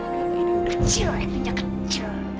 ini kecil efeknya kecil